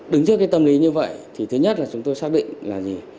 đứng trước cái tâm lý như vậy thì thứ nhất là chúng tôi xác định là gì